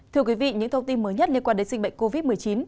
thưa quý vị những thông tin mới nhất liên quan đến dịch bệnh covid một mươi chín